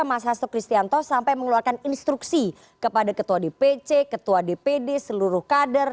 mas hasto kristianto sampai mengeluarkan instruksi kepada ketua dpc ketua dpd seluruh kader